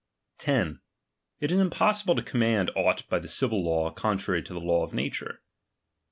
10. It is impossible to command aught by the civil law contrary to the law of nature.